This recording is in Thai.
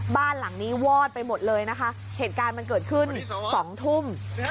บ้านหลังนี้วอดไปหมดเลยนะคะเหตุการณ์มันเกิดขึ้นสองทุ่ม